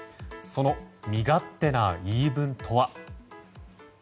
その身勝手な言い分とは。